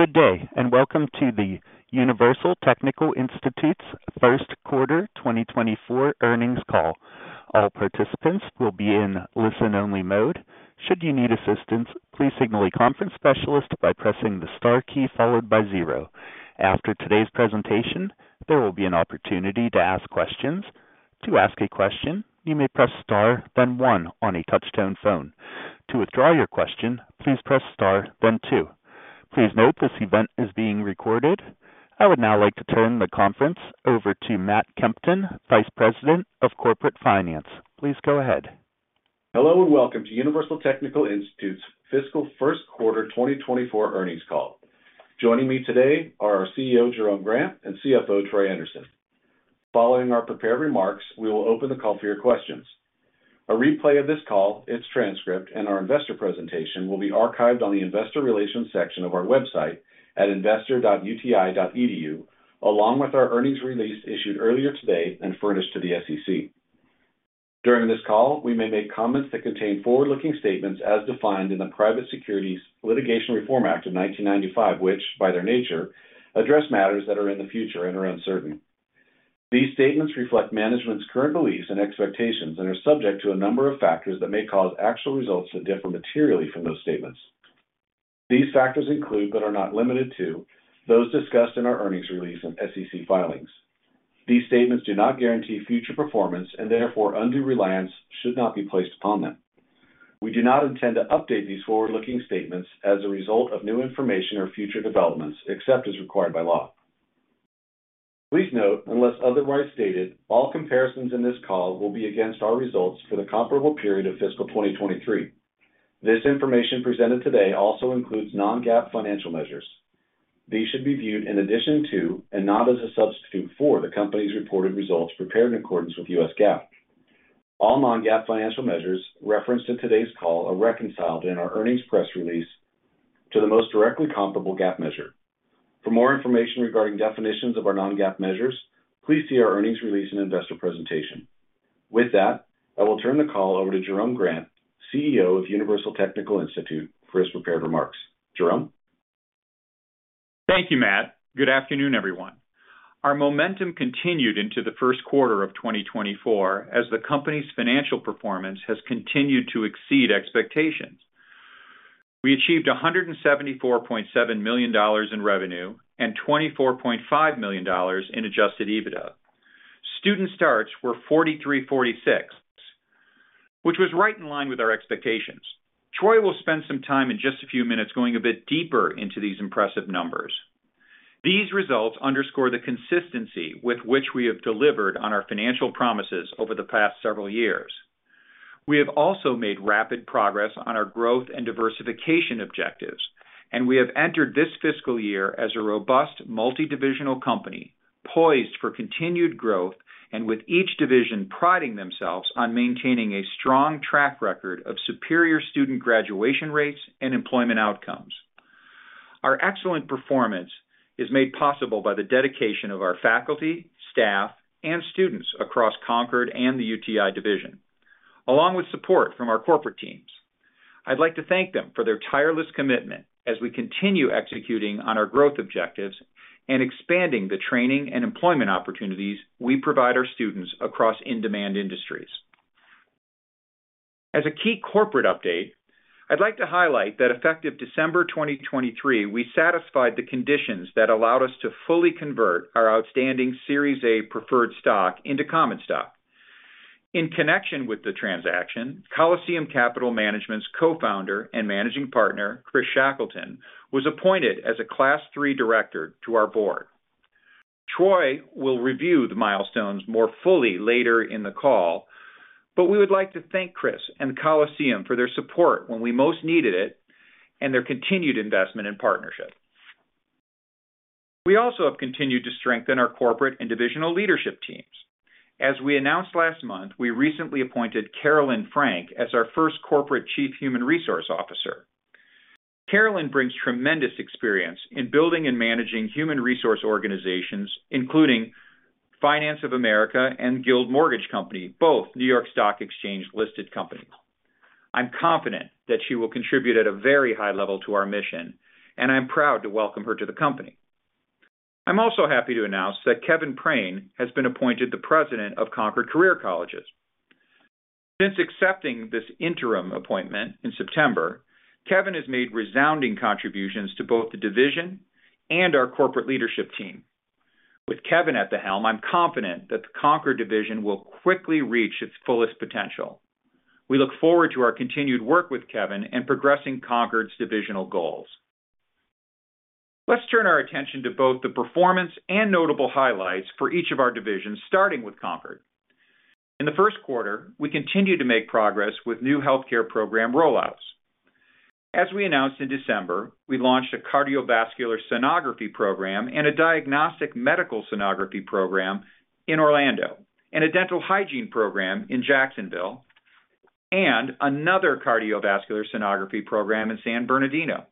Good day, and welcome to the Universal Technical Institute's first quarter 2024 earnings call. All participants will be in listen-only mode. Should you need assistance, please signal a conference specialist by pressing the star key followed by zero. After today's presentation, there will be an opportunity to ask questions. To ask a question, you may press star, then one on a touchtone phone. To withdraw your question, please press star, then two. Please note, this event is being recorded. I would now like to turn the conference over to Matt Kempton, Vice President of Corporate Finance. Please go ahead. Hello, and welcome to Universal Technical Institute's fiscal first quarter 2024 earnings call. Joining me today are our CEO, Jerome Grant, and CFO, Troy Anderson. Following our prepared remarks, we will open the call for your questions. A replay of this call, its transcript, and our investor presentation will be archived on the investor relations section of our website at investor.uti.edu, along with our earnings release issued earlier today and furnished to the SEC. During this call, we may make comments that contain forward-looking statements as defined in the Private Securities Litigation Reform Act of 1995, which, by their nature, address matters that are in the future and are uncertain. These statements reflect management's current beliefs and expectations and are subject to a number of factors that may cause actual results to differ materially from those statements. These factors include, but are not limited to, those discussed in our earnings release and SEC filings. These statements do not guarantee future performance, and therefore undue reliance should not be placed upon them. We do not intend to update these forward-looking statements as a result of new information or future developments, except as required by law. Please note, unless otherwise stated, all comparisons in this call will be against our results for the comparable period of fiscal 2023. This information presented today also includes non-GAAP financial measures. These should be viewed in addition to and not as a substitute for, the company's reported results prepared in accordance with U.S. GAAP. All non-GAAP financial measures referenced in today's call are reconciled in our earnings press release to the most directly comparable GAAP measure. For more information regarding definitions of our non-GAAP measures, please see our earnings release and investor presentation. With that, I will turn the call over to Jerome Grant, CEO of Universal Technical Institute, for his prepared remarks. Jerome? Thank you, Matt. Good afternoon, everyone. Our momentum continued into the first quarter of 2024 as the company's financial performance has continued to exceed expectations. We achieved $174.7 million in revenue and $24.5 million in Adjusted EBITDA. Student starts were 4,346, which was right in line with our expectations. Troy will spend some time in just a few minutes going a bit deeper into these impressive numbers. These results underscore the consistency with which we have delivered on our financial promises over the past several years. We have also made rapid progress on our growth and diversification objectives, and we have entered this fiscal year as a robust, multi-divisional company, poised for continued growth and with each division priding themselves on maintaining a strong track record of superior student graduation rates and employment outcomes. Our excellent performance is made possible by the dedication of our faculty, staff, and students across Concorde and the UTI division, along with support from our corporate teams. I'd like to thank them for their tireless commitment as we continue executing on our growth objectives and expanding the training and employment opportunities we provide our students across in-demand industries. As a key corporate update, I'd like to highlight that effective December 2023, we satisfied the conditions that allowed us to fully convert our outstanding Series A preferred stock into common stock. In connection with the transaction, Coliseum Capital Management's co-founder and managing partner, Chris Shackelton, was appointed as a Class III director to our board. Troy will review the milestones more fully later in the call, but we would like to thank Chris and Coliseum for their support when we most needed it and their continued investment and partnership. We also have continued to strengthen our corporate and divisional leadership teams. As we announced last month, we recently appointed Carolyn Frank as our first corporate Chief Human Resources Officer. Carolyn brings tremendous experience in building and managing human resource organizations, including Finance of America and Guild Mortgage Company, both New York Stock Exchange-listed companies. I'm confident that she will contribute at a very high level to our mission, and I'm proud to welcome her to the company. I'm also happy to announce that Kevin Prehn has been appointed the President of Concorde Career Colleges. Since accepting this interim appointment in September, Kevin has made resounding contributions to both the division and our corporate leadership team. With Kevin at the helm, I'm confident that the Concorde division will quickly reach its fullest potential. We look forward to our continued work with Kevin in progressing Concorde's divisional goals. Let's turn our attention to both the performance and notable highlights for each of our divisions, starting with Concorde. In the first quarter, we continued to make progress with new healthcare program rollouts. As we announced in December, we launched a cardiovascular sonography program and a diagnostic medical sonography program in Orlando, and a dental hygiene program in Jacksonville, and another cardiovascular sonography program in San Bernardino.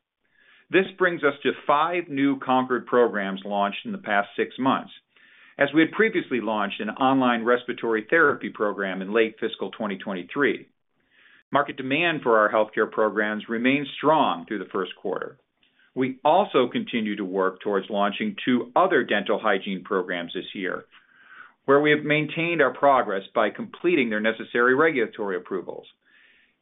This brings us to 5 new Concorde programs launched in the past 6 months, as we had previously launched an online respiratory therapy program in late fiscal 2023.... Market demand for our healthcare programs remains strong through the first quarter. We also continue to work towards launching 2 other dental hygiene programs this year, where we have maintained our progress by completing their necessary regulatory approvals.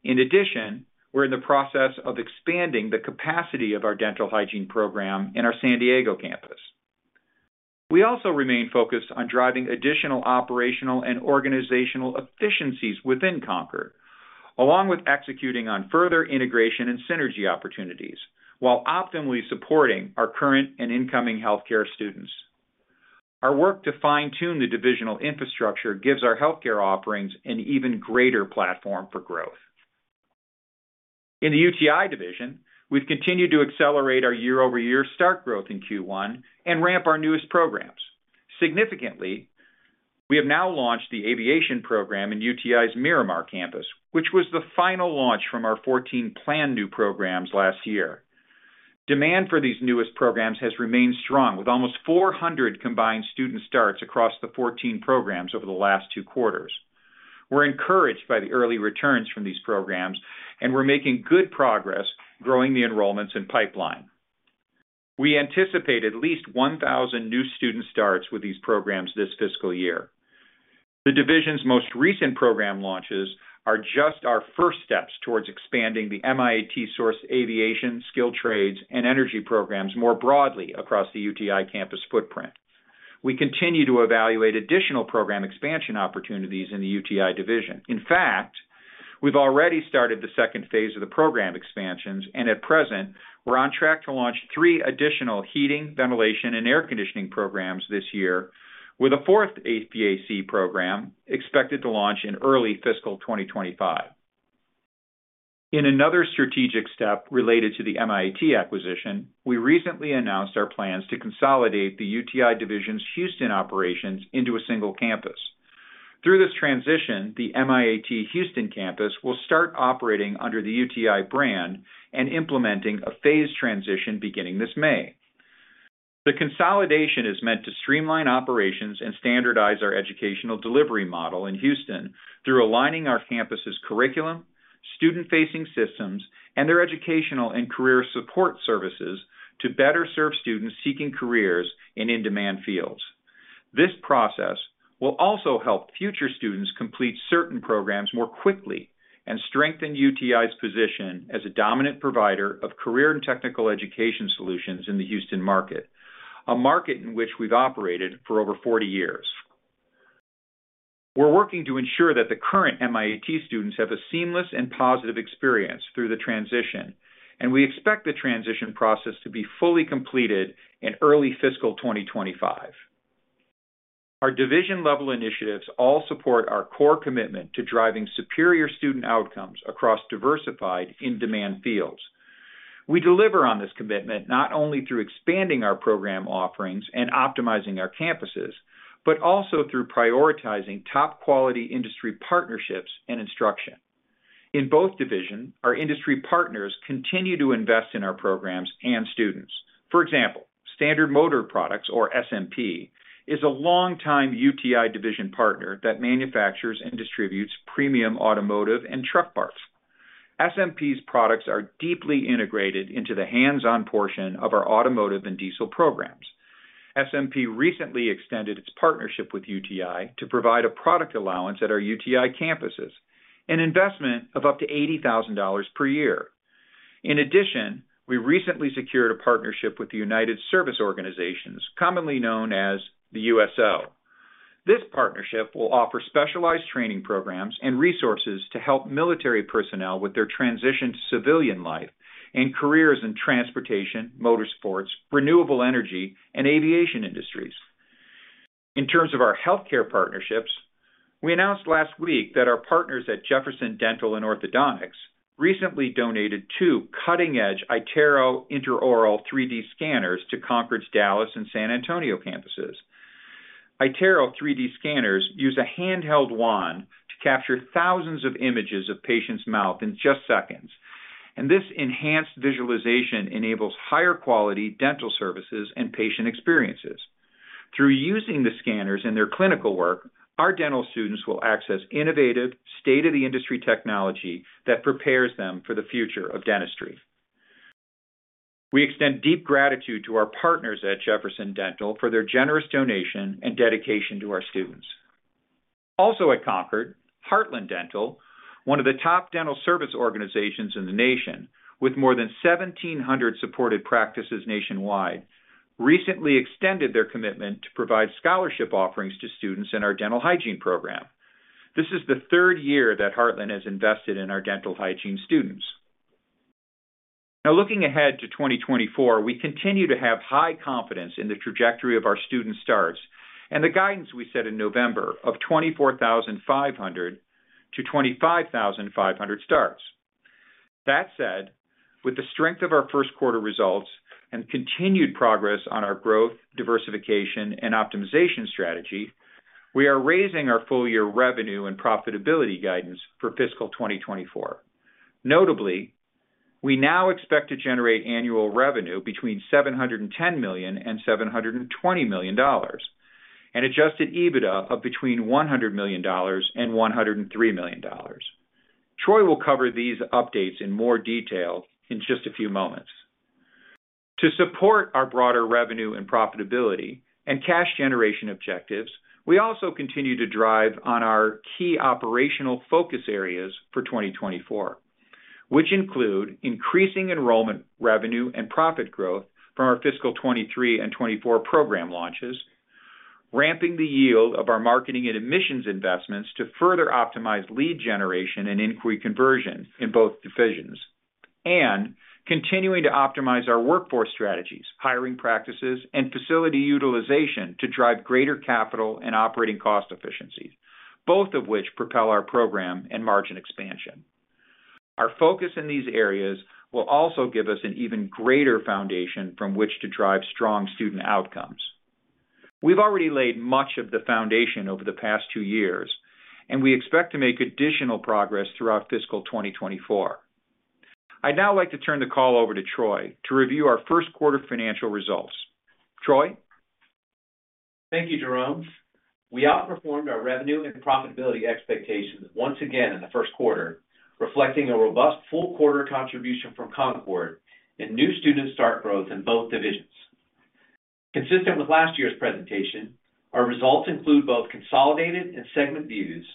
In addition, we're in the process of expanding the capacity of our dental hygiene program in our San Diego campus. We also remain focused on driving additional operational and organizational efficiencies within Concorde, along with executing on further integration and synergy opportunities, while optimally supporting our current and incoming healthcare students. Our work to fine-tune the divisional infrastructure gives our healthcare offerings an even greater platform for growth. In the UTI division, we've continued to accelerate our year-over-year start growth in Q1 and ramp our newest programs. Significantly, we have now launched the aviation program in UTI's Miramar campus, which was the final launch from our 14 planned new programs last year. Demand for these newest programs has remained strong, with almost 400 combined student starts across the 14 programs over the last 2 quarters. We're encouraged by the early returns from these programs, and we're making good progress growing the enrollments in pipeline. We anticipate at least 1,000 new student starts with these programs this fiscal year. The division's most recent program launches are just our first steps towards expanding the MIAT-sourced aviation, skilled trades, and energy programs more broadly across the UTI campus footprint. We continue to evaluate additional program expansion opportunities in the UTI division. In fact, we've already started the second phase of the program expansions, and at present, we're on track to launch three additional heating, ventilation, and air conditioning programs this year, with a fourth HVAC program expected to launch in early fiscal 2025. In another strategic step related to the MIAT acquisition, we recently announced our plans to consolidate the UTI division's Houston operations into a single campus. Through this transition, the MIAT Houston campus will start operating under the UTI brand and implementing a phased transition beginning this May. The consolidation is meant to streamline operations and standardize our educational delivery model in Houston through aligning our campus's curriculum, student-facing systems, and their educational and career support services to better serve students seeking careers in in-demand fields. This process will also help future students complete certain programs more quickly and strengthen UTI's position as a dominant provider of career and technical education solutions in the Houston market, a market in which we've operated for over 40 years. We're working to ensure that the current MIAT students have a seamless and positive experience through the transition, and we expect the transition process to be fully completed in early fiscal 2025. Our division-level initiatives all support our core commitment to driving superior student outcomes across diversified in-demand fields. We deliver on this commitment not only through expanding our program offerings and optimizing our campuses, but also through prioritizing top-quality industry partnerships and instruction. In both divisions, our industry partners continue to invest in our programs and students. For example, Standard Motor Products, or SMP, is a long-time UTI division partner that manufactures and distributes premium automotive and truck parts. SMP's products are deeply integrated into the hands-on portion of our automotive and diesel programs. SMP recently extended its partnership with UTI to provide a product allowance at our UTI campuses, an investment of up to $80,000 per year. In addition, we recently secured a partnership with the United Service Organizations, commonly known as the USO. This partnership will offer specialized training programs and resources to help military personnel with their transition to civilian life and careers in transportation, motorsports, renewable energy, and aviation industries. In terms of our healthcare partnerships, we announced last week that our partners at Jefferson Dental and Orthodontics recently donated 2 cutting-edge iTero intraoral 3D scanners to Concorde's Dallas and San Antonio campuses. iTero 3D scanners use a handheld wand to capture thousands of images of patients' mouth in just seconds, and this enhanced visualization enables higher quality dental services and patient experiences. Through using the scanners in their clinical work, our dental students will access innovative, state-of-the-industry technology that prepares them for the future of dentistry. We extend deep gratitude to our partners at Jefferson Dental for their generous donation and dedication to our students. Also at Concorde, Heartland Dental, one of the top dental service organizations in the nation, with more than 1,700 supported practices nationwide, recently extended their commitment to provide scholarship offerings to students in our dental hygiene program. This is the third year that Heartland has invested in our dental hygiene students. Now, looking ahead to 2024, we continue to have high confidence in the trajectory of our student starts and the guidance we set in November of 2024 24,500 to 25,500 starts. That said, with the strength of our first quarter results and continued progress on our growth, diversification, and optimization strategy, we are raising our full-year revenue and profitability guidance for fiscal 2024. Notably, we now expect to generate annual revenue between $710 million and $720 million, and Adjusted EBITDA of between $100 million and $103 million. Troy will cover these updates in more detail in just a few moments. To support our broader revenue and profitability and cash generation objectives, we also continue to drive on our key operational focus areas for 2024, which include increasing enrollment, revenue, and profit growth from our fiscal 2023 and 2024 program launches, ramping the yield of our marketing and admissions investments to further optimize lead generation and inquiry conversion in both divisions, and continuing to optimize our workforce strategies, hiring practices, and facility utilization to drive greater capital and operating cost efficiencies, both of which propel our program and margin expansion. Our focus in these areas will also give us an even greater foundation from which to drive strong student outcomes. We've already laid much of the foundation over the past two years, and we expect to make additional progress throughout fiscal 2024. I'd now like to turn the call over to Troy to review our first quarter financial results. Troy? Thank you, Jerome. We outperformed our revenue and profitability expectations once again in the first quarter, reflecting a robust full quarter contribution from Concorde, and new student start growth in both divisions. Consistent with last year's presentation, our results include both consolidated and segment views,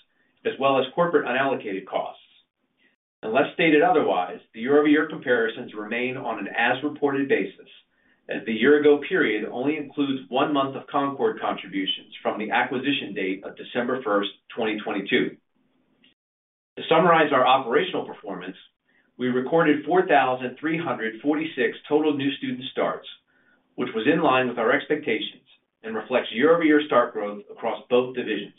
as well as corporate unallocated costs. Unless stated otherwise, the year-over-year comparisons remain on an as-reported basis, as the year-ago period only includes one month of Concorde contributions from the acquisition date of December 1, 2022. To summarize our operational performance, we recorded 4,346 total new student starts, which was in line with our expectations and reflects year-over-year start growth across both divisions.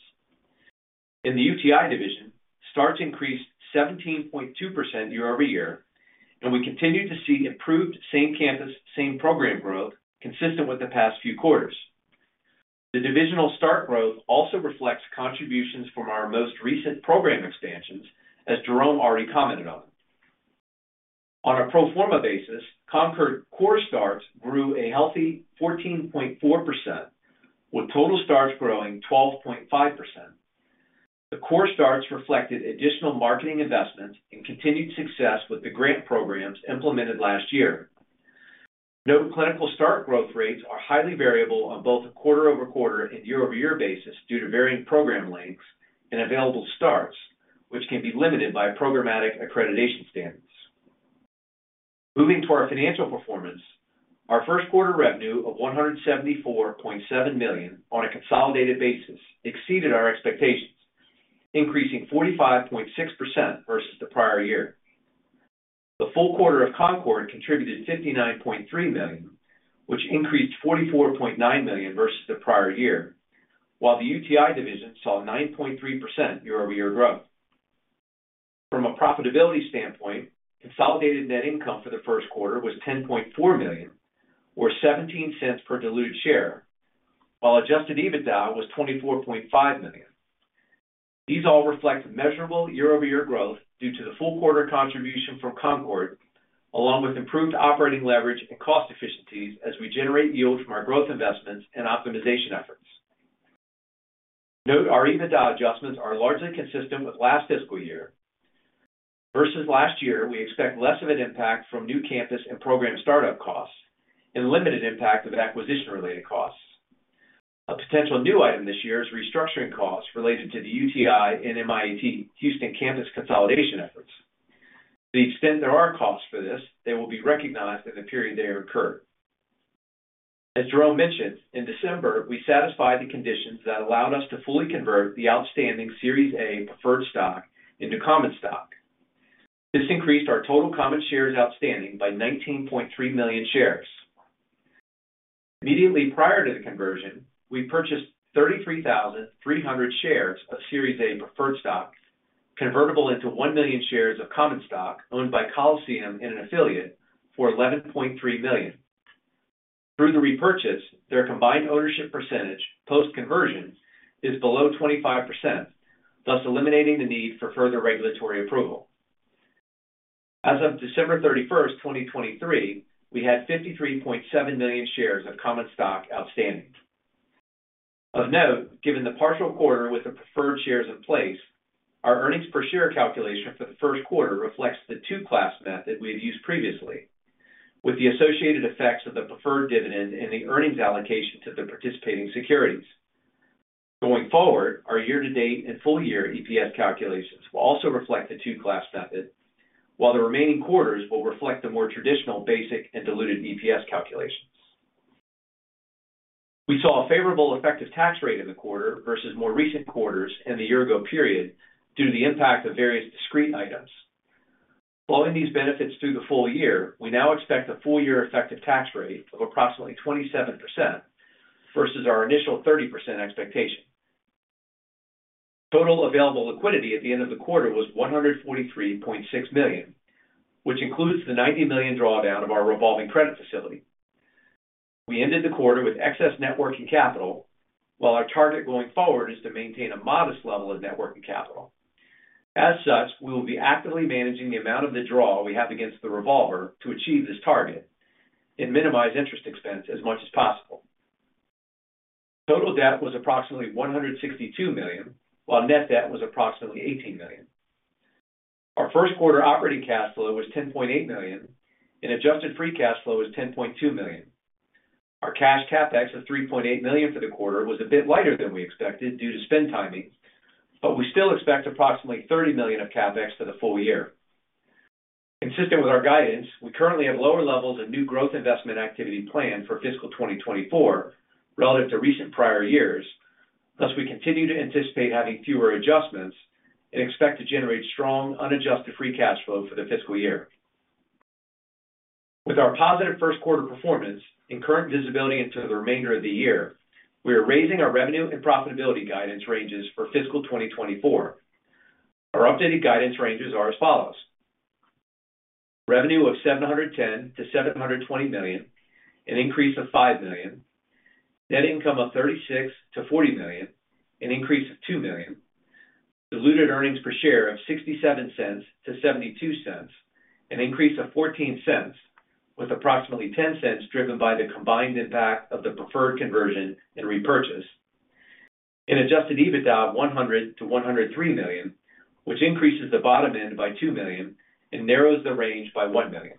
In the UTI division, starts increased 17.2% year-over-year, and we continued to see improved same-campus, same-program growth consistent with the past few quarters. The divisional start growth also reflects contributions from our most recent program expansions, as Jerome already commented on. On a pro forma basis, Concorde core starts grew a healthy 14.4%, with total starts growing 12.5%. The core starts reflected additional marketing investments and continued success with the grant programs implemented last year. Note, clinical start growth rates are highly variable on both a quarter-over-quarter and year-over-year basis due to varying program lengths and available starts, which can be limited by programmatic accreditation standards. Moving to our financial performance, our first quarter revenue of $174.7 million on a consolidated basis exceeded our expectations, increasing 45.6% versus the prior year. The full quarter of Concorde contributed $59.3 million, which increased $44.9 million versus the prior year, while the UTI division saw 9.3% year-over-year growth. From a profitability standpoint, consolidated net income for the first quarter was $10.4 million, or $0.17 per diluted share, while Adjusted EBITDA was $24.5 million. These all reflect measurable year-over-year growth due to the full quarter contribution from Concorde, along with improved operating leverage and cost efficiencies as we generate yield from our growth investments and optimization efforts. Note, our EBITDA adjustments are largely consistent with last fiscal year. Versus last year, we expect less of an impact from new campus and program startup costs and limited impact of acquisition-related costs. A potential new item this year is restructuring costs related to the UTI and MIAT Houston campus consolidation efforts. To the extent there are costs for this, they will be recognized in the period they occur. As Jerome mentioned, in December, we satisfied the conditions that allowed us to fully convert the outstanding Series A preferred stock into common stock. This increased our total common shares outstanding by 19.3 million shares. Immediately prior to the conversion, we purchased 33,300 shares of Series A preferred stock, convertible into 1 million shares of common stock owned by Coliseum and an affiliate for $11.3 million. Through the repurchase, their combined ownership percentage, post-conversion, is below 25%, thus eliminating the need for further regulatory approval. As of December 31, 2023, we had 53.7 million shares of common stock outstanding. Of note, given the partial quarter with the preferred shares in place, our earnings per share calculation for the first quarter reflects the Two-Class Method we have used previously, with the associated effects of the preferred dividend and the earnings allocation to the participating securities. Going forward, our year-to-date and full-year EPS calculations will also reflect the two-class method, while the remaining quarters will reflect the more traditional basic and diluted EPS calculations. We saw a favorable effective tax rate in the quarter versus more recent quarters in the year-ago period due to the impact of various discrete items. Following these benefits through the full year, we now expect a full-year effective tax rate of approximately 27% versus our initial 30% expectation. Total available liquidity at the end of the quarter was $143.6 million, which includes the $90 million drawdown of our revolving credit facility. We ended the quarter with excess working capital, while our target going forward is to maintain a modest level of working capital. As such, we will be actively managing the amount of the draw we have against the revolver to achieve this target and minimize interest expense as much as possible. Total debt was approximately $162 million, while net debt was approximately $18 million. Our Q1 operating cash flow was $10.8 million, and adjusted free cash flow was $10.2 million. Our cash CapEx of $3.8 million for the quarter was a bit lighter than we expected due to spend timing, but we still expect approximately $30 million of CapEx for the full year. Consistent with our guidance, we currently have lower levels of new growth investment activity planned for fiscal 2024 relative to recent prior years, thus, we continue to anticipate having fewer adjustments and expect to generate strong unadjusted free cash flow for the fiscal year. With our positive Q1 performance and current visibility into the remainder of the year, we are raising our revenue and profitability guidance ranges for fiscal 2024. Our updated guidance ranges are as follows: Revenue of $710 million-$720 million, an increase of $5 million. Net income of $36 million-$40 million, an increase of $2 million. Diluted earnings per share of $0.67-$0.72, an increase of $0.14, with approximately $0.10 driven by the combined impact of the preferred conversion and repurchase. An Adjusted EBITDA of $100-$103 million, which increases the bottom end by $2 million and narrows the range by $1 million.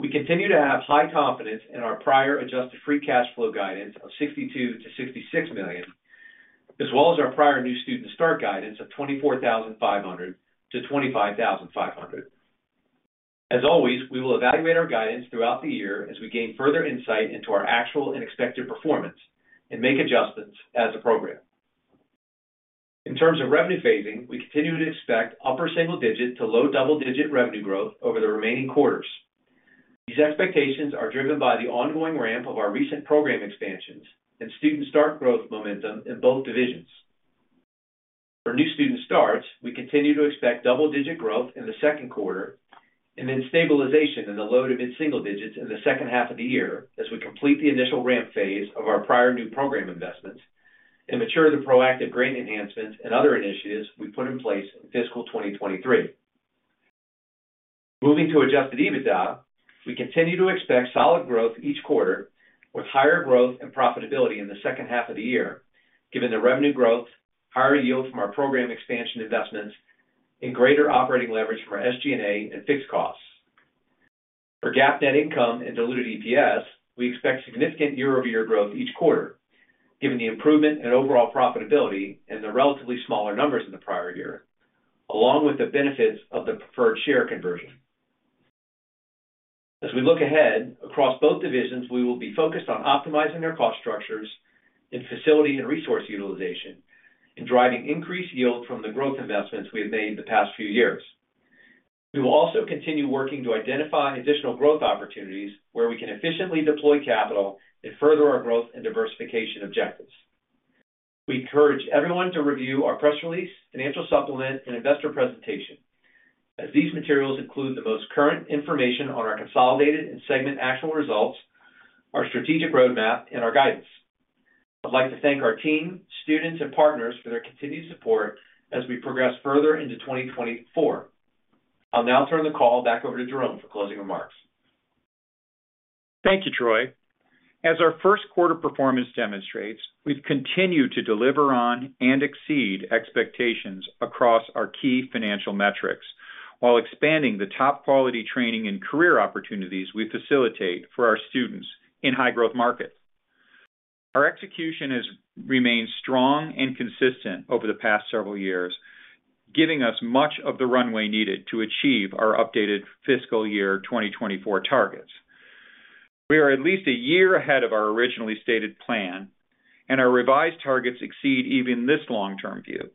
We continue to have high confidence in our prior Adjusted Free Cash Flow guidance of $62-$66 million, as well as our prior new student start guidance of 24,500-25,500. As always, we will evaluate our guidance throughout the year as we gain further insight into our actual and expected performance and make adjustments as appropriate. In terms of revenue phasing, we continue to expect upper single-digit to low double-digit revenue growth over the remaining quarters. These expectations are driven by the ongoing ramp of our recent program expansions and student start growth momentum in both divisions. For new student starts, we continue to expect double-digit growth in the Q2 and then stabilization in the low to mid single digits in the H2 of the year as we complete the initial ramp phase of our prior new program investments and mature the proactive grant enhancements and other initiatives we put in place in fiscal 2023. Moving to Adjusted EBITDA, we continue to expect solid growth each quarter, with higher growth and profitability in the H2 of the year, given the revenue growth, higher yield from our program expansion investments, and greater operating leverage from our SG&A and fixed costs. For GAAP net income and diluted EPS, we expect significant year-over-year growth each quarter, given the improvement in overall profitability and the relatively smaller numbers in the prior year, along with the benefits of the preferred share conversion. As we look ahead, across both divisions, we will be focused on optimizing our cost structures and facility and resource utilization, and driving increased yield from the growth investments we have made in the past few years. We will also continue working to identify additional growth opportunities where we can efficiently deploy capital and further our growth and diversification objectives. We encourage everyone to review our press release, financial supplement, and investor presentation, as these materials include the most current information on our consolidated and segment actual results, our strategic roadmap, and our guidance. I'd like to thank our team, students, and partners for their continued support as we progress further into 2024. I'll now turn the call back over to Jerome for closing remarks. Thank you, Troy. As our Q1 performance demonstrates, we've continued to deliver on and exceed expectations across our key financial metrics, while expanding the top quality training and career opportunities we facilitate for our students in high-growth markets. Our execution has remained strong and consistent over the past several years, giving us much of the runway needed to achieve our updated fiscal year 2024 targets. We are at least a year ahead of our originally stated plan, and our revised targets exceed even this long-term view.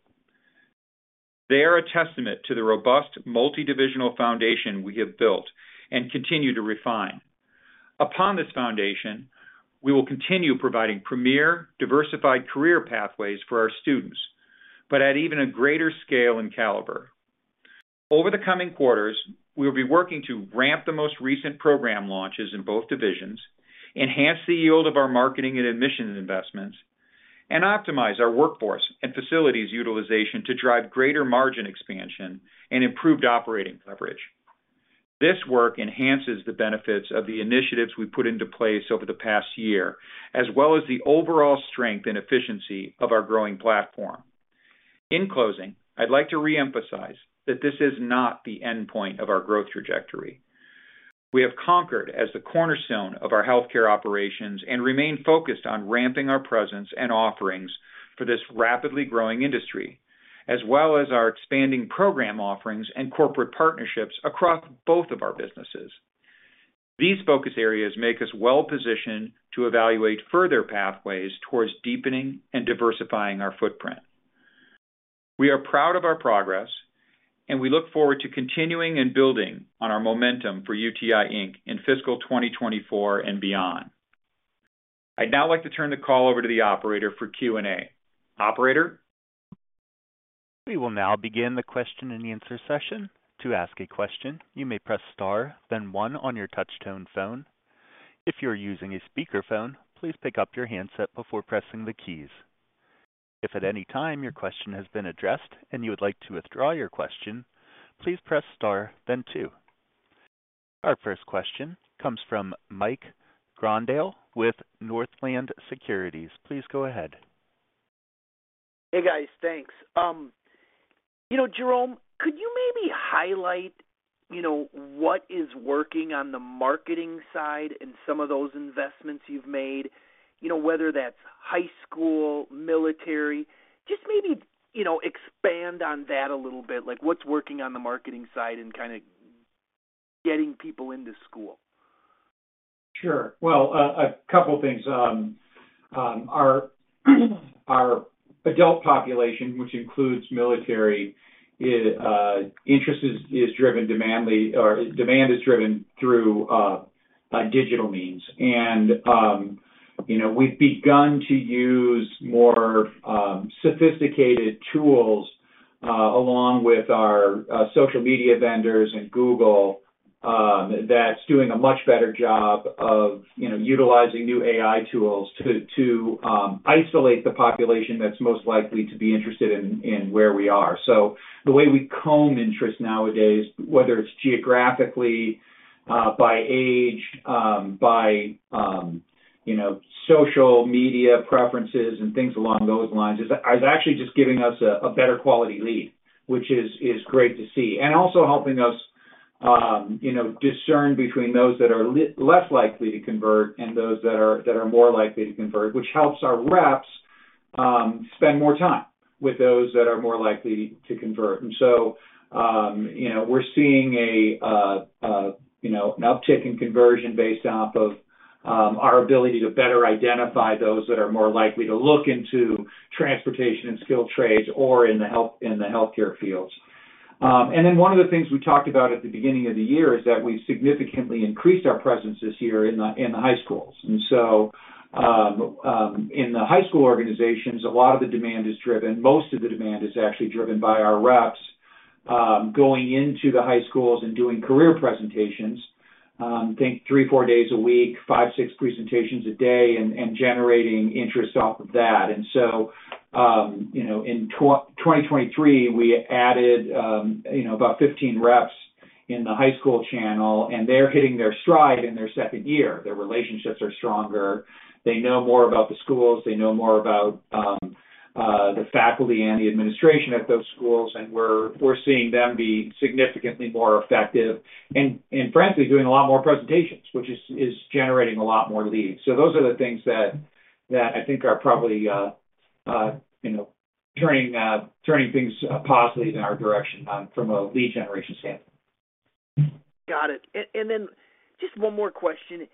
They are a testament to the robust, multidivisional foundation we have built and continue to refine. Upon this foundation, we will continue providing premier, diversified career pathways for our students, but at even a greater scale and caliber. Over the coming quarters, we will be working to ramp the most recent program launches in both divisions, enhance the yield of our marketing and admissions investments, and optimize our workforce and facilities utilization to drive greater margin expansion and improved operating leverage. This work enhances the benefits of the initiatives we put into place over the past year, as well as the overall strength and efficiency of our growing platform. In closing, I'd like to reemphasize that this is not the endpoint of our growth trajectory. We have Concorde as the cornerstone of our healthcare operations and remain focused on ramping our presence and offerings for this rapidly growing industry, as well as our expanding program offerings and corporate partnerships across both of our businesses. These focus areas make us well-positioned to evaluate further pathways towards deepening and diversifying our footprint. We are proud of our progress, and we look forward to continuing and building on our momentum for UTI Inc. in fiscal 2024 and beyond. I'd now like to turn the call over to the operator for Q&A. Operator? We will now begin the question-and-answer session. To ask a question, you may press star, then one on your touchtone phone. If you are using a speakerphone, please pick up your handset before pressing the keys. If at any time your question has been addressed and you would like to withdraw your question, please press star, then two. Our first question comes from Mike Grondahl with Northland Securities. Please go ahead. Hey, guys. Thanks. You know, Jerome, could you maybe highlight, you know, what is working on the marketing side and some of those investments you've made? You know, whether that's high school, military, just maybe, you know, expand on that a little bit. Like, what's working on the marketing side and kind of getting people into school? Sure. Well, a couple of things. Our adult population, which includes military interest, is driven, or demand is driven through digital means. And, you know, we've begun to use more sophisticated tools along with our social media vendors and Google, that's doing a much better job of, you know, utilizing new AI tools to isolate the population that's most likely to be interested in where we are. So the way we gauge interest nowadays, whether it's geographically, by age, by you know, social media preferences and things along those lines, is actually just giving us a better quality lead, which is great to see, and also helping us, you know, discern between those that are less likely to convert and those that are more likely to convert, which helps our reps spend more time with those that are more likely to convert. So, you know, we're seeing a you know, an uptick in conversion based off of our ability to better identify those that are more likely to look into transportation and skilled trades or in the healthcare fields. And then one of the things we talked about at the beginning of the year is that we significantly increased our presence this year in the high schools. And so, in the high school organizations, a lot of the demand is driven. Most of the demand is actually driven by our reps going into the high schools and doing career presentations. I think 3-4 days a week, 5-6 presentations a day, and generating interest off of that. And so, you know, in 2023, we added, you know, about 15 reps in the high school channel, and they're hitting their stride in their second year. Their relationships are stronger. They know more about the schools, they know more about the faculty and the administration at those schools, and we're seeing them be significantly more effective and frankly doing a lot more presentations, which is generating a lot more leads. So those are the things that I think are probably you know turning things positively in our direction from a lead generation standpoint. Got it. Then just one more question.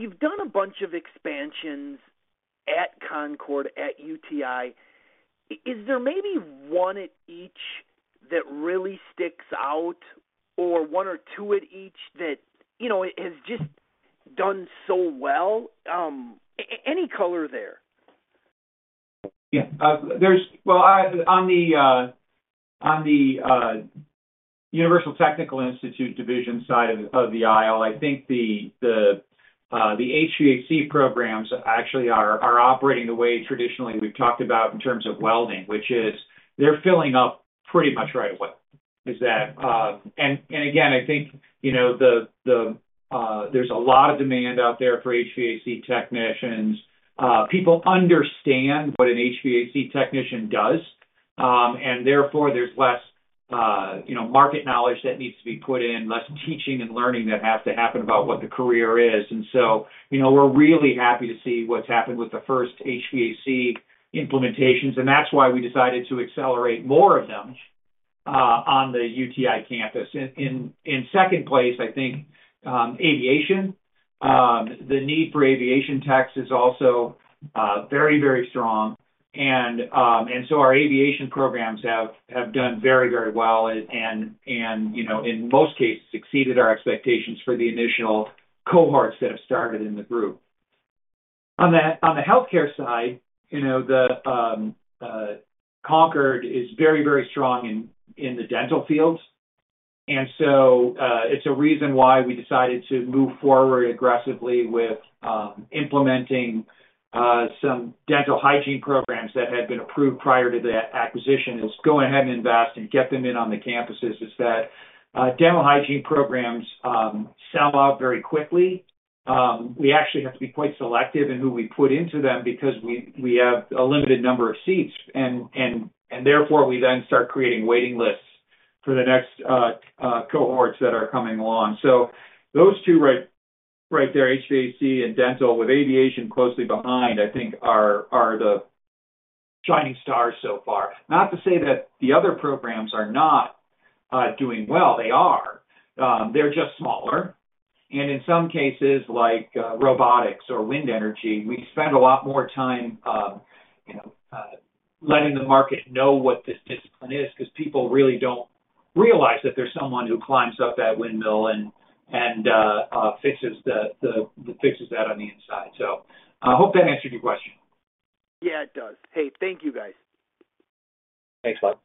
You've done a bunch of expansions at Concorde, at UTI. Is there maybe one at each that really sticks out, or one or two at each that, you know, has just done so well? Any color there? Yeah. Well, on the Universal Technical Institute division side of the aisle, I think the HVAC programs actually are operating the way traditionally we've talked about in terms of welding, which is they're filling up pretty much right away. And again, I think, you know, there's a lot of demand out there for HVAC technicians. People understand what an HVAC technician does, and therefore there's less, you know, market knowledge that needs to be put in, less teaching and learning that has to happen about what the career is. And so, you know, we're really happy to see what's happened with the first HVAC implementations, and that's why we decided to accelerate more of them on the UTI campus. In second place, I think, aviation. The need for aviation techs is also very, very strong. And so our aviation programs have done very, very well and, you know, in most cases, exceeded our expectations for the initial cohorts that have started in the group. On the healthcare side, you know, the Concorde is very, very strong in the dental fields, and so it's a reason why we decided to move forward aggressively with implementing some dental hygiene programs that had been approved prior to the acquisition. Go ahead and invest and get them in on the campuses. That dental hygiene programs sell out very quickly. We actually have to be quite selective in who we put into them because we have a limited number of seats, and therefore, we then start creating waiting lists for the next cohorts that are coming along. So those two right there, HVAC and dental, with aviation closely behind, I think are the shining stars so far. Not to say that the other programs are not doing well. They are. They're just smaller, and in some cases, like robotics or wind energy, we spend a lot more time, you know, letting the market know what this discipline is, because people really don't realize that there's someone who climbs up that windmill and fixes that on the inside. So I hope that answered your question. Yeah, it does. Hey, thank you, guys. Thanks a lot.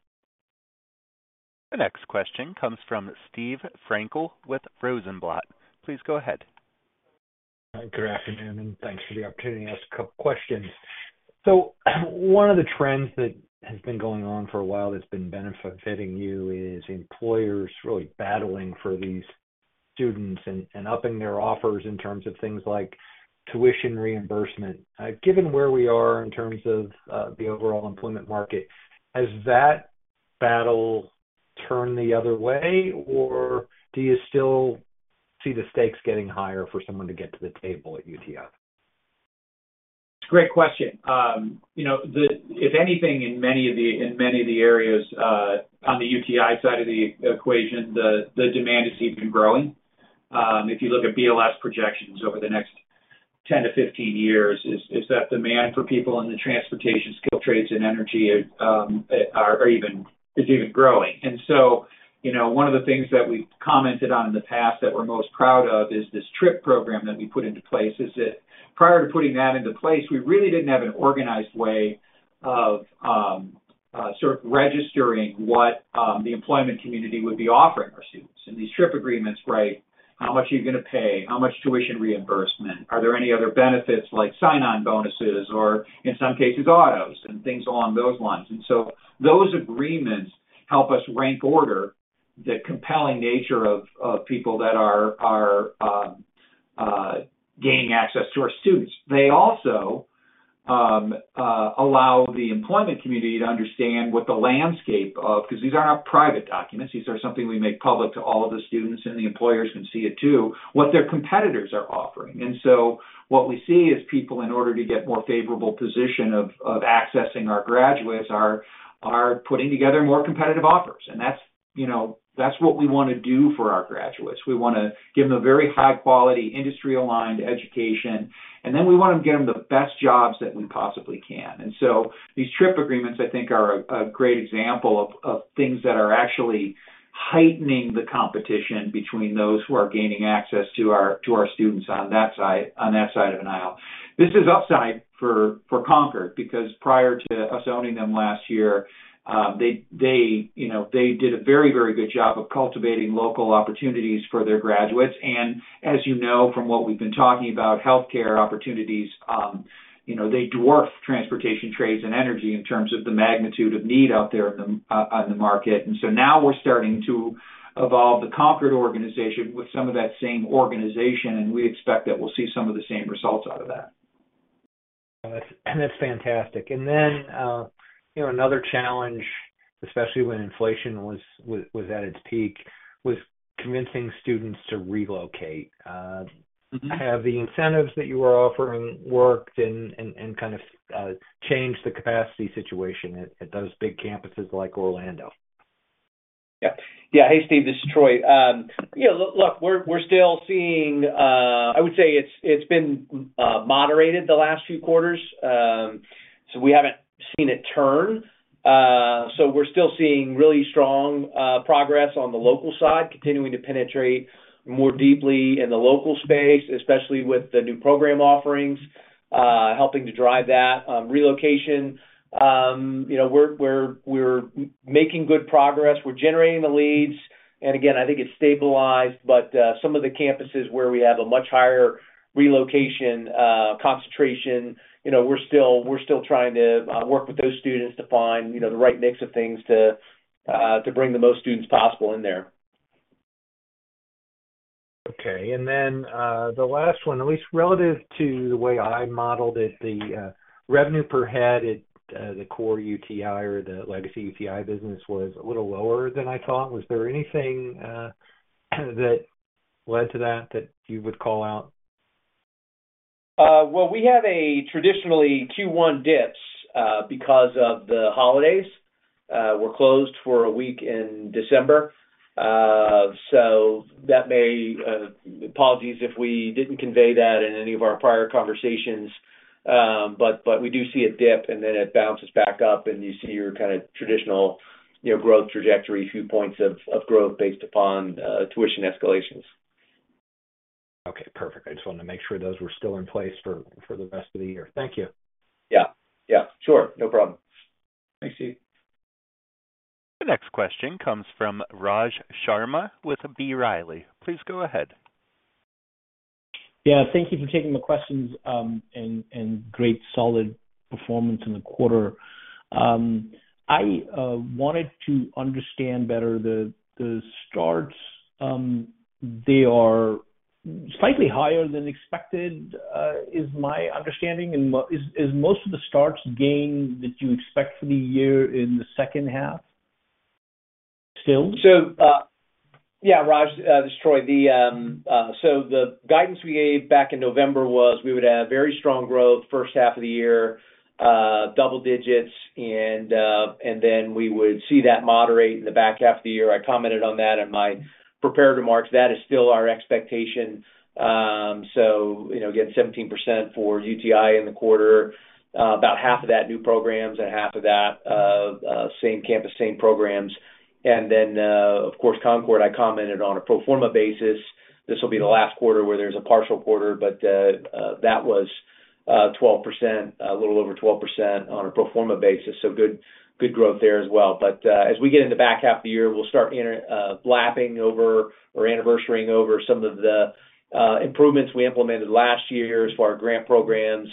The next question comes from Steve Frankel with Rosenblatt. Please go ahead. Good afternoon, and thanks for the opportunity to ask a couple questions. So, one of the trends that has been going on for a while that's been benefiting you is employers really battling for these students and upping their offers in terms of things like tuition reimbursement. Given where we are in terms of the overall employment market, has that battle turned the other way, or do you still see the stakes getting higher for someone to get to the table at UTI? Great question. You know, the—if anything, in many of the areas, on the UTI side of the equation, the demand has even been growing. If you look at BLS projections over the next 10-15 years, that demand for people in the transportation skill trades and energy is even growing. So, you know, one of the things that we've commented on in the past that we're most proud of is this TRIP program that we put into place. Prior to putting that into place, we really didn't have an organized way of sort of registering what the employment community would be offering our students. And these TRIP agreements right, how much are you gonna pay? How much tuition reimbursement? Are there any other benefits, like sign-on bonuses or, in some cases, autos and things along those lines? And so those agreements help us rank order the compelling nature of people that are gaining access to our students. They also allow the employment community to understand what the landscape of... Because these are not private documents, these are something we make public to all of the students, and the employers can see it, too, what their competitors are offering. And so what we see is people, in order to get more favorable position of accessing our graduates, are putting together more competitive offers. And that's, you know, that's what we wanna do for our graduates. We wanna give them a very high-quality, industry-aligned education, and then we want to get them the best jobs that we possibly can. These TRIP agreements, I think, are a great example of things that are actually heightening the competition between those who are gaining access to our students on that side of the aisle. This is upside for Concorde, because prior to us owning them last year, you know, they did a very good job of cultivating local opportunities for their graduates. And as you know from what we've been talking about, healthcare opportunities, you know, they dwarf transportation, trades, and energy in terms of the magnitude of need out there on the market. Now we're starting to evolve the Concorde organization with some of that same organization, and we expect that we'll see some of the same results out of that. That's, and that's fantastic. And then, you know, another challenge, especially when inflation was at its peak, was convincing students to relocate. Mm-hmm. Have the incentives that you were offering worked and kind of changed the capacity situation at those big campuses like Orlando? Yeah. Yeah. Hey, Steve, this is Troy. Yeah, look, we're still seeing. I would say it's been moderated the last few quarters. So we haven't seen it turn. So we're still seeing really strong progress on the local side, continuing to penetrate more deeply in the local space, especially with the new program offerings helping to drive that relocation. You know, we're making good progress. We're generating the leads, and again, I think it's stabilized, but some of the campuses where we have a much higher relocation concentration, you know, we're still trying to work with those students to find the right mix of things to bring the most students possible in there. Okay, and then the last one, at least relative to the way I modeled it, the revenue per head at the core UTI or the legacy UTI business, was a little lower than I thought. Was there anything that led to that, that you would call out? Well, we have a traditionally Q1 dips because of the holidays. We're closed for a week in December. So that may, apologies if we didn't convey that in any of our prior conversations. But we do see a dip, and then it bounces back up, and you see your kind of traditional, you know, growth trajectory, few points of growth based upon tuition escalations. Okay, perfect. I just wanted to make sure those were still in place for the rest of the year. Thank you. Yeah. Yeah, sure. No problem. Thanks, Steve. The next question comes from Raj Sharma with B. Riley. Please go ahead. Yeah, thank you for taking the questions, and great solid performance in the quarter. I wanted to understand better the starts. They are slightly higher than expected, is my understanding, and most of the starts gain that you expect for the year in the second half still? So, yeah, Raj, this is Troy. So the guidance we gave back in November was we would have very strong growth first half of the year, double digits, and then we would see that moderate in the back half of the year. I commented on that in my prepared remarks. That is still our expectation.... you know, again, 17% for UTI in the quarter, about half of that new programs, and half of that same campus, same programs. And then, of course, Concorde, I commented on a pro forma basis. This will be the last quarter where there's a partial quarter, but that was 12%, a little over 12% on a pro forma basis. So good, good growth there as well. But as we get into the back half of the year, we'll start lapping over or anniversarying over some of the improvements we implemented last year as far as grant programs,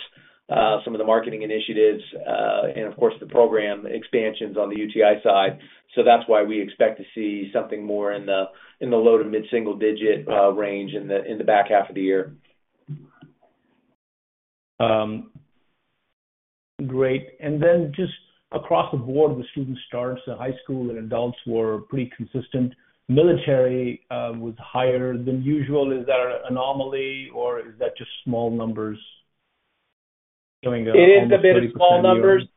some of the marketing initiatives, and of course, the program expansions on the UTI side. So that's why we expect to see something more in the low to mid-single digit range in the back half of the year. Great. And then just across the board, the student starts at high school and adults were pretty consistent. Military was higher than usual. Is that an anomaly, or is that just small numbers going up almost 30% year over- It is a bit of small numbers.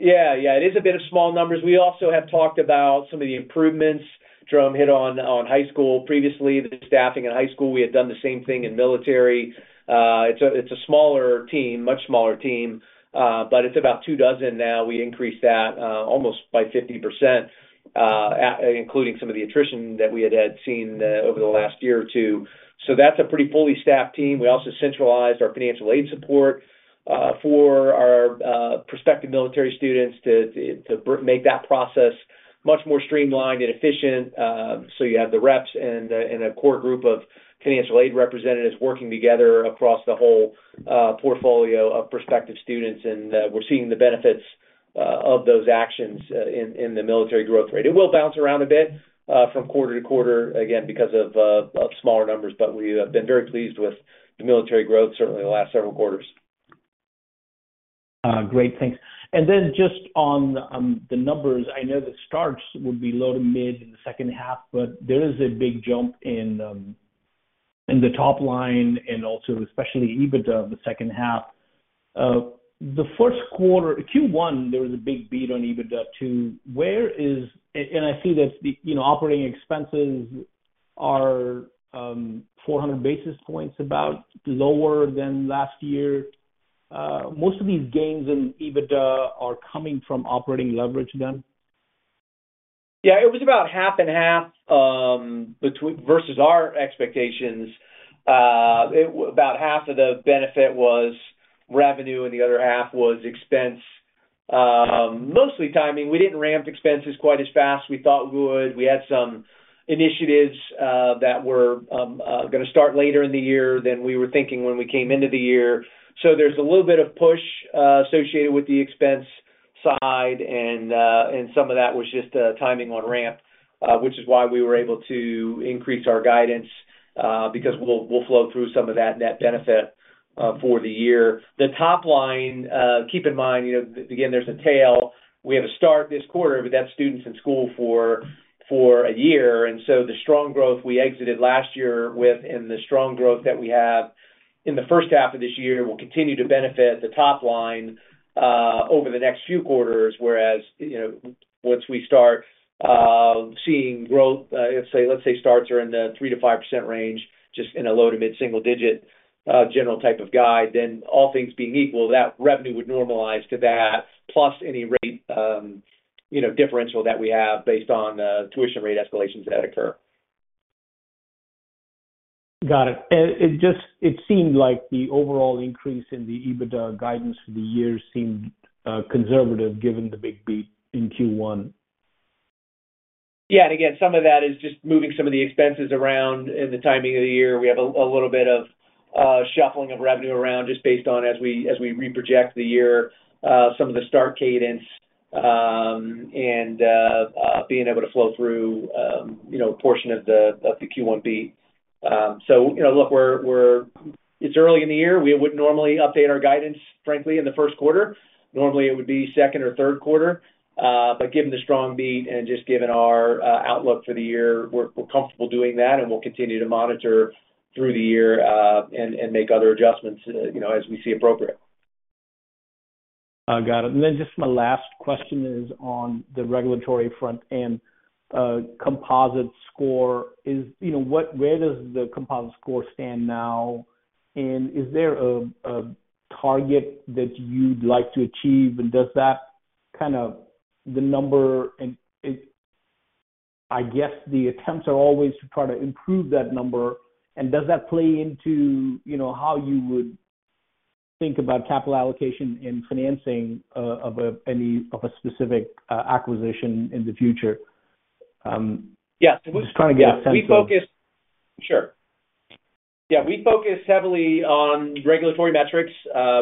Yeah, yeah, it is a bit of small numbers. We also have talked about some of the improvements Jerome hit on, on high school. Previously, the staffing in high school, we had done the same thing in military. It's a smaller team, much smaller team, but it's about two dozen now. We increased that almost by 50%, including some of the attrition that we had had seen over the last year or two. So that's a pretty fully staffed team. We also centralized our financial aid support for our prospective military students to make that process much more streamlined and efficient. So you have the reps and a core group of financial aid representatives working together across the whole portfolio of prospective students, and we're seeing the benefits of those actions in the military growth rate. It will bounce around a bit from quarter to quarter, again, because of smaller numbers, but we have been very pleased with the military growth, certainly in the last several quarters. Great, thanks. And then just on the numbers, I know the starts would be low to mid in the second half, but there is a big jump in the top line and also especially EBITDA in the second half. The first quarter, Q1, there was a big beat on EBITDA, too. And I see that the, you know, operating expenses are 400 basis points about lower than last year. Most of these gains in EBITDA are coming from operating leverage then? Yeah, it was about half and half versus our expectations. It was about half of the benefit was revenue, and the other half was expense. Mostly timing. We didn't ramp expenses quite as fast we thought we would. We had some initiatives that were gonna start later in the year than we were thinking when we came into the year. So there's a little bit of push associated with the expense side, and some of that was just timing on ramp, which is why we were able to increase our guidance because we'll, we'll flow through some of that net benefit for the year. The top line, keep in mind, you know, again, there's a tail. We have a start this quarter, but that's students in school for a year. The strong growth we exited last year with and the strong growth that we have in the first half of this year will continue to benefit the top line over the next few quarters, whereas, you know, once we start seeing growth, let's say, let's say starts are in the 3%-5% range, just in a low to mid-single digit general type of guide, then all things being equal, that revenue would normalize to that, plus any rate, you know, differential that we have based on tuition rate escalations that occur. Got it. It seemed like the overall increase in the EBITDA guidance for the year seemed conservative, given the big beat in Q1. Yeah, and again, some of that is just moving some of the expenses around in the timing of the year. We have a little bit of shuffling of revenue around just based on as we reproject the year, some of the start cadence, and being able to flow through, you know, a portion of the Q1 beat. So, you know, look, we're—It's early in the year. We wouldn't normally update our guidance, frankly, in the first quarter. Normally, it would be second or third quarter. But given the strong beat and just given our outlook for the year, we're comfortable doing that, and we'll continue to monitor through the year, and make other adjustments, you know, as we see appropriate. Got it. And then just my last question is on the regulatory front and composite score. You know, where does the Composite Score stand now? And is there a target that you'd like to achieve, and does that kind of the number and it I guess the attempts are always to try to improve that number. And does that play into, you know, how you would think about capital allocation and financing of a of a specific acquisition in the future? Yeah. Just trying to get a sense of- Yeah, we focus heavily on regulatory metrics.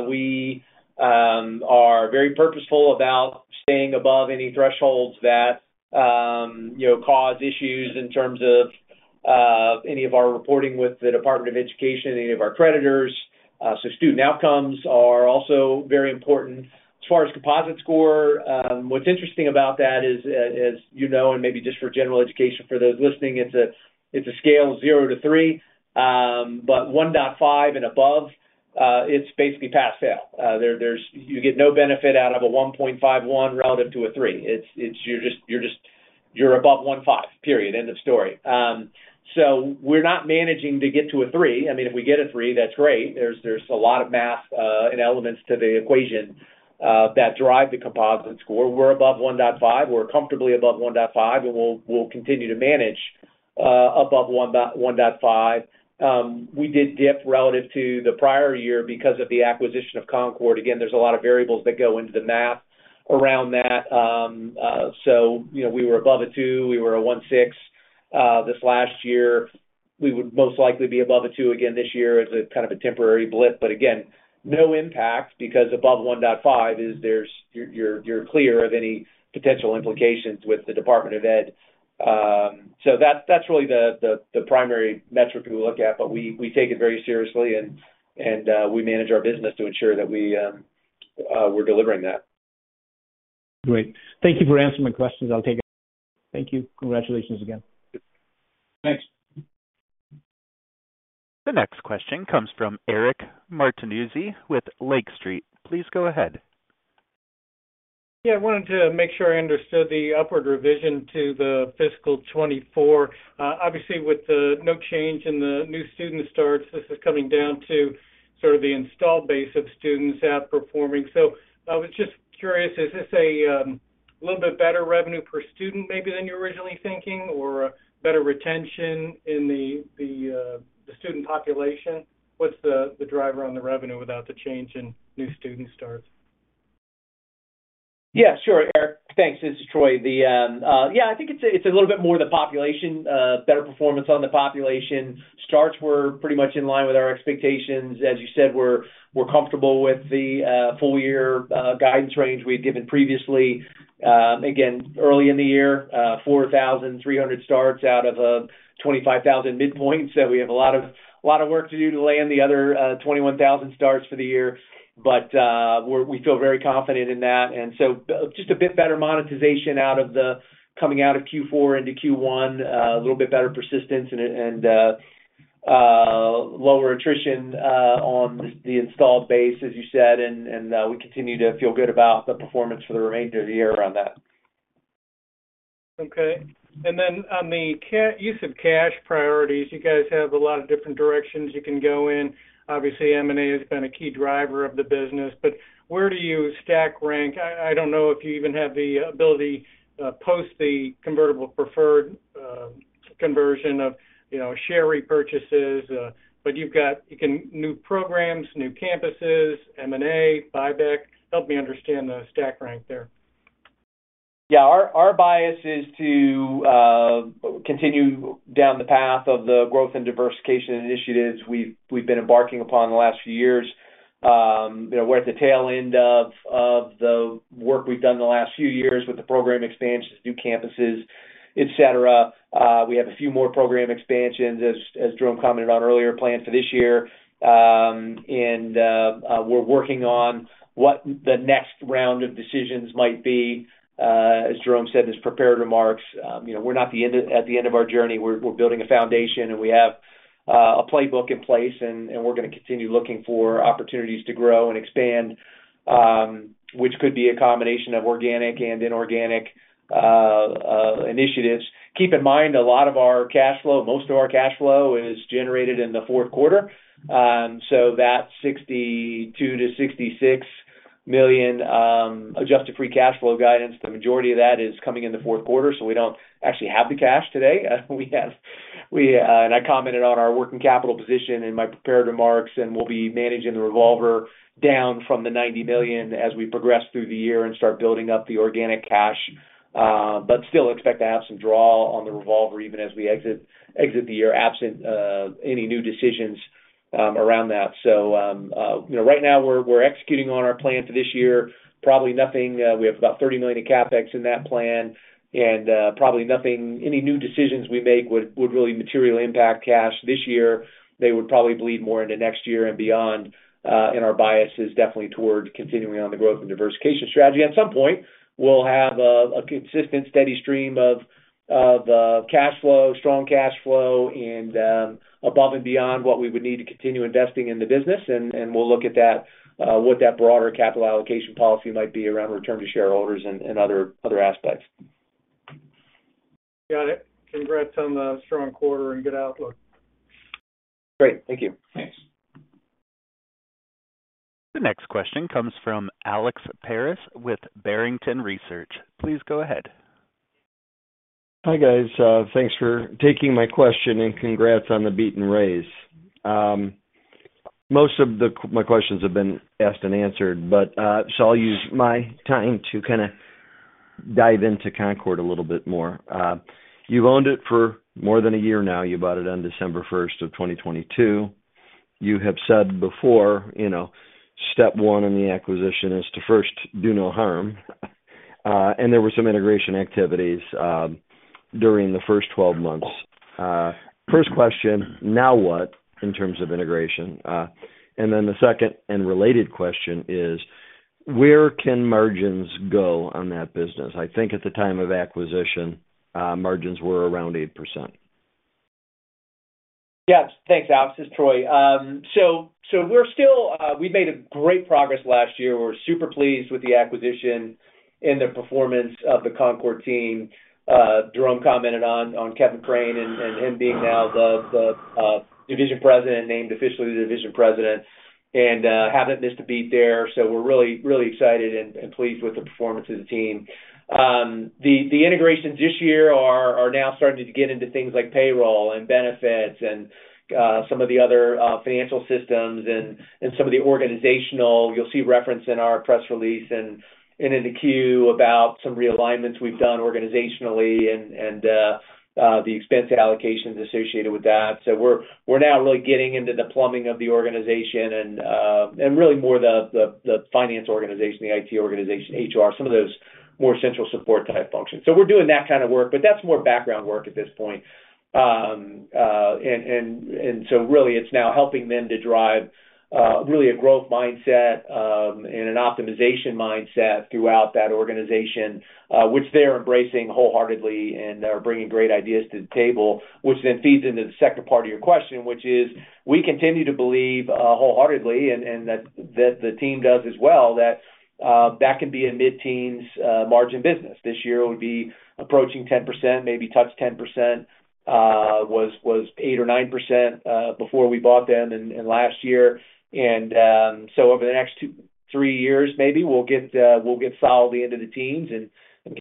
We are very purposeful about staying above any thresholds that, you know, cause issues in terms of any of our reporting with the Department of Education, any of our creditors. So student outcomes are also very important. As far as Composite Score, what's interesting about that is, as you know, and maybe just for general education, for those listening, it's a scale of 0-3, but 1.5 and above, it's basically pass, fail. You get no benefit out of a 1.51 relative to a 3. It's. You're just above 1.5, period, end of story. So we're not managing to get to a 3. I mean, if we get a 3, that's great. There's a lot of math and elements to the equation that drive the Composite Score. We're above 1.5. We're comfortably above 1.5, and we'll continue to manage above 1.5. We did dip relative to the prior year because of the acquisition of Concorde. Again, there's a lot of variables that go into the math around that. So, you know, we were above 2. We were 1.6 this last year. We would most likely be above 2 again this year as a kind of a temporary blip, but again, no impact because above 1.5 is you're clear of any potential implications with the Department of Education. So that's really the primary metric we look at, but we take it very seriously and we manage our business to ensure that we're delivering that. Great. Thank you for answering my questions. I'll take it. Thank you. Congratulations again. Thanks. The next question comes from Eric Martinuzzi with Lake Street. Please go ahead. Yeah, I wanted to make sure I understood the upward revision to the fiscal 2024. Obviously, with the no change in the new student starts, this is coming down to sort of the installed base of students outperforming. So I was just curious, is this a little bit better revenue per student maybe than you were originally thinking, or a better retention in the student population? What's the driver on the revenue without the change in new student starts? Yeah, sure, Eric. Thanks. This is Troy. Yeah, I think it's a little bit more the population better performance on the population. Starts were pretty much in line with our expectations. As you said, we're comfortable with the full year guidance range we'd given previously. Again, early in the year, 4,300 starts out of a 25,000 midpoint. So we have a lot of work to do to land the other 21,000 starts for the year. We feel very confident in that, and so, just a bit better monetization out of the coming out of Q4 into Q1, a little bit better persistence and lower attrition on the installed base, as you said, and we continue to feel good about the performance for the remainder of the year around that. Okay. And then on the use of cash priorities, you guys have a lot of different directions you can go in. Obviously, M&A has been a key driver of the business, but where do you stack rank? I don't know if you even have the ability post the convertible preferred conversion of, you know, share repurchases, but you've got you can new programs, new campuses, M&A, buyback. Help me understand the stack rank there. Yeah. Our bias is to continue down the path of the growth and diversification initiatives we've been embarking upon the last few years. You know, we're at the tail end of the work we've done in the last few years with the program expansions, new campuses, et cetera. We have a few more program expansions, as Jerome commented on earlier, planned for this year. And we're working on what the next round of decisions might be. As Jerome said in his prepared remarks, you know, we're not at the end of our journey. We're building a foundation, and we have a playbook in place, and we're gonna continue looking for opportunities to grow and expand, which could be a combination of organic and inorganic initiatives. Keep in mind, a lot of our cash flow, most of our cash flow is generated in the fourth quarter. So that $62 million-$66 million adjusted free cash flow guidance, the majority of that is coming in the fourth quarter, so we don't actually have the cash today. We have, and I commented on our working capital position in my prepared remarks, and we'll be managing the revolver down from the $90 million as we progress through the year and start building up the organic cash, but still expect to have some draw on the revolver even as we exit the year, absent any new decisions around that. So, you know, right now we're executing on our plan for this year, probably nothing. We have about $30 million in CapEx in that plan, and probably nothing. Any new decisions we make would really materially impact cash this year. They would probably bleed more into next year and beyond, and our bias is definitely toward continuing on the growth and diversification strategy. At some point, we'll have a consistent, steady stream of the cash flow, strong cash flow, and above and beyond what we would need to continue investing in the business, and we'll look at that, what that broader capital allocation policy might be around return to shareholders and other aspects. Got it. Congrats on the strong quarter and good outlook. Great. Thank you. Thanks. The next question comes from Alex Paris with Barrington Research. Please go ahead. Hi, guys, thanks for taking my question, and congrats on the beat and raise. Most of my questions have been asked and answered, but so I'll use my time to kind of dive into Concorde a little bit more. You've owned it for more than a year now. You bought it on December first of 2022. You have said before, you know, step one in the acquisition is to first do no harm, and there were some integration activities during the first 12 months. First question: Now what, in terms of integration? And then the second and related question is: Where can margins go on that business? I think at the time of acquisition, margins were around 8%.... Yes. Thanks, Alex. This is Troy. So we're still, we made great progress last year. We're super pleased with the acquisition and the performance of the Concorde team. Jerome commented on Kevin Prehn and him being now the division president, named officially the division president, and haven't missed a beat there. So we're really, really excited and pleased with the performance of the team. The integrations this year are now starting to get into things like payroll and benefits and some of the other financial systems and some of the organizational. You'll see reference in our press release and in the 10-Q about some realignments we've done organizationally and the expense allocations associated with that. So we're now really getting into the plumbing of the organization and really more the finance organization, the IT organization, HR, some of those more central support-type functions. So we're doing that kind of work, but that's more background work at this point. So really, it's now helping them to drive really a growth mindset and an optimization mindset throughout that organization, which they are embracing wholeheartedly and are bringing great ideas to the table, which then feeds into the second part of your question, which is, we continue to believe wholeheartedly and that the team does as well, that that can be a mid-teens margin business. This year, it would be approaching 10%, maybe touch 10%. Was 8% or 9% before we bought them in last year. So over the next 2-3 years, maybe we'll get solidly into the teens and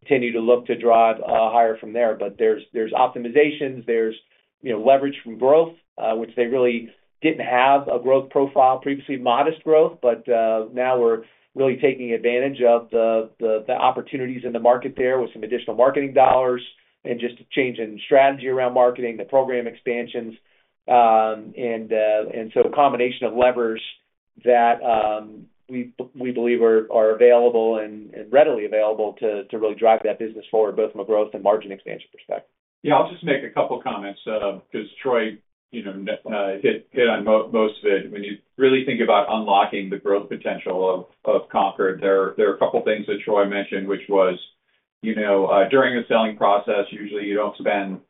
continue to look to drive higher from there. But there are optimizations, there is, you know, leverage from growth, which they really didn't have a growth profile previously. Modest growth, but now we're really taking advantage of the opportunities in the market there with some additional marketing dollars and just a change in strategy around marketing and the program expansions. So a combination of levers that we believe are available and readily available to really drive that business forward, both from a growth and margin expansion perspective. Yeah, I'll just make a couple comments, 'cause Troy, you know, hit on most of it. When you really think about unlocking the growth potential of Concorde, there are a couple things that Troy mentioned, which was, you know, during the selling process, usually you don't spend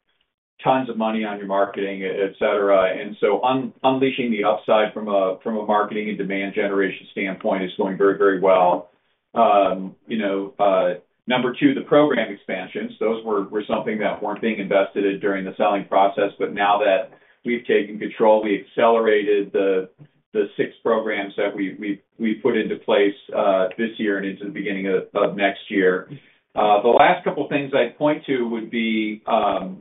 tons of money on your marketing, et cetera. And so unleashing the upside from a marketing and demand generation standpoint is going very, very well. You know, number two, the program expansions, those were something that weren't being invested in during the selling process, but now that we've taken control, we accelerated the six programs that we put into place this year and into the beginning of next year. The last couple things I'd point to would be,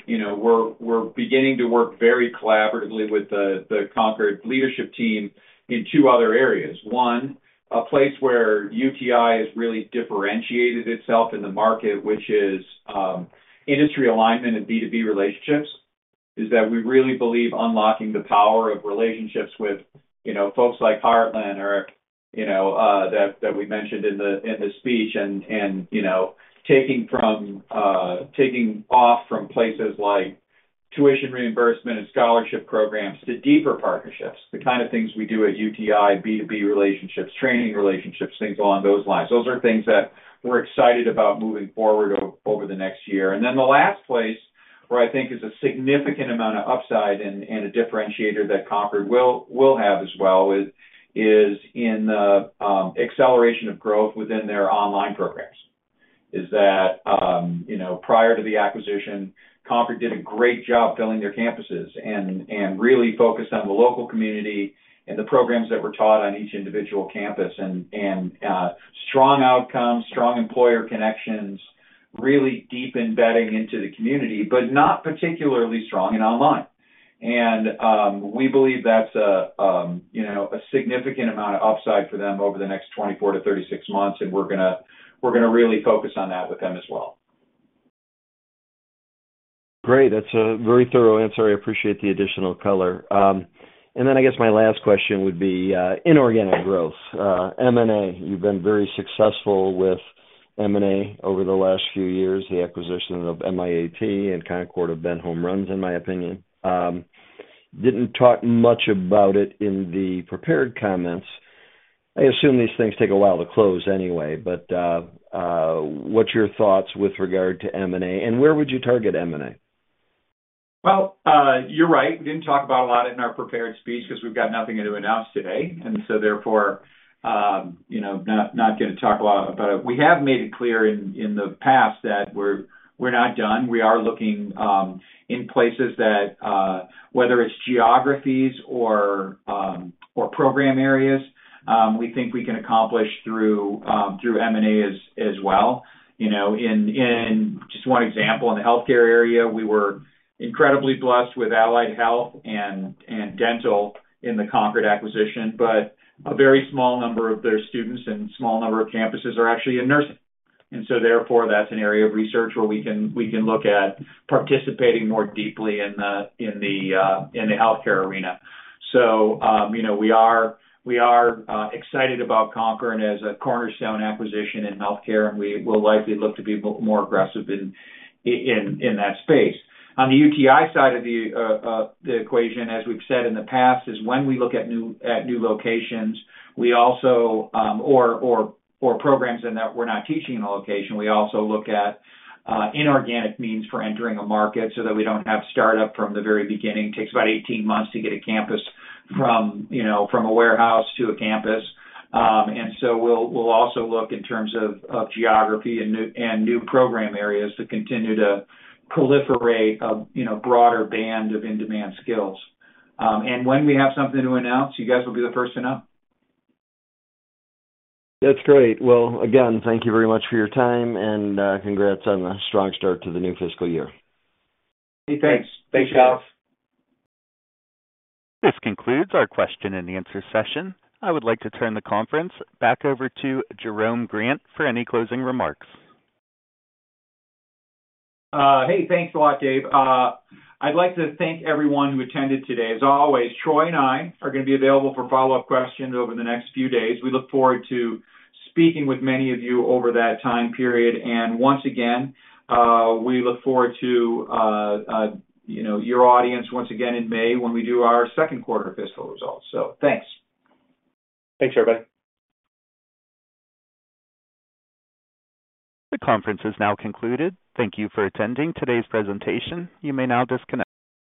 you know, we're beginning to work very collaboratively with the Concorde leadership team in two other areas. One, a place where UTI has really differentiated itself in the market, which is industry alignment and B2B relationships, is that we really believe unlocking the power of relationships with, you know, folks like Heartland or, you know, that we mentioned in the speech. And, you know, taking off from places like tuition reimbursement and scholarship programs to deeper partnerships, the kind of things we do at UTI, B2B relationships, training relationships, things along those lines. Those are things that we're excited about moving forward over the next year. And then the last place where I think is a significant amount of upside and a differentiator that Concorde will have as well is in the acceleration of growth within their online programs, you know, prior to the acquisition, Concorde did a great job building their campuses and really focused on the local community and the programs that were taught on each individual campus. And strong outcomes, strong employer connections, really deep embedding into the community, but not particularly strong in online. And we believe that's a you know, a significant amount of upside for them over the next 24-36 months, and we're gonna really focus on that with them as well. Great. That's a very thorough answer. I appreciate the additional color. And then I guess my last question would be, inorganic growth, M&A. You've been very successful with M&A over the last few years. The acquisition of MIAT and Concorde have been home runs, in my opinion. Didn't talk much about it in the prepared comments. I assume these things take a while to close anyway, but, what's your thoughts with regard to M&A, and where would you target M&A? Well, you're right. We didn't talk about a lot in our prepared speech because we've got nothing to announce today, and so therefore, you know, not gonna talk a lot about it. We have made it clear in the past that we're not done. We are looking in places that, whether it's geographies or program areas, we think we can accomplish through M&A as well. You know, in just one example, in the healthcare area, we were incredibly blessed with Allied Health and Dental in the Concorde acquisition, but a very small number of their students and a small number of campuses are actually in nursing. And so therefore, that's an area of research where we can look at participating more deeply in the healthcare arena. So, you know, we are excited about Concorde as a cornerstone acquisition in healthcare, and we will likely look to be more aggressive in that space. On the UTI side of the equation, as we've said in the past, is when we look at new locations or programs that we're not teaching in a location, we also look at inorganic means for entering a market so that we don't have startup from the very beginning. It takes about 18 months to get a campus from, you know, from a warehouse to a campus. And so we'll also look in terms of geography and new program areas to continue to proliferate a, you know, broader band of in-demand skills. When we have something to announce, you guys will be the first to know. That's great. Well, again, thank you very much for your time, and congrats on a strong start to the new fiscal year. Thanks. Thanks, Alex. This concludes our question and answer session. I would like to turn the conference back over to Jerome Grant for any closing remarks. Hey, thanks a lot, Dave. I'd like to thank everyone who attended today. As always, Troy and I are gonna be available for follow-up questions over the next few days. We look forward to speaking with many of you over that time period. And once again, we look forward to, you know, your audience once again in May when we do our second quarter fiscal results. So thanks. Thanks, everybody. The conference is now concluded. Thank you for attending today's presentation. You may now disconnect.